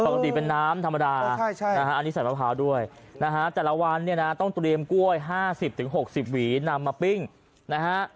ปกติเป็นน้ำธรรมดาอันนี้ใส่มะพร้าวด้วยนะฮะแต่ละวันเนี่ยนะต้องเตรียมกล้วย๕๐๖๐หวีนำมาปิ้งนะฮะ